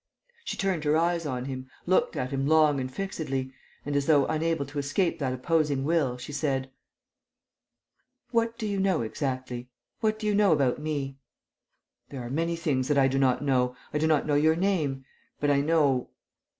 She turned her eyes on him, looked at him long and fixedly and, as though unable to escape that opposing will, she said: "What do you know exactly? What do you know about me?" "There are many things that I do not know. I do not know your name. But I know...."